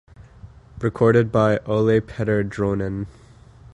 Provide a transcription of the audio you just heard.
Recorded by Ole-Petter Dronen.